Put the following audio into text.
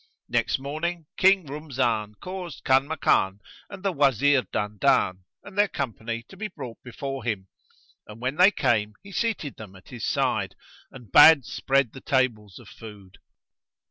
Next morning, King Rumzan caused Kanmakan and the Wazir Dandan and their company to be brought before him and, when they came, he seated them at his side, and bade spread the tables of food.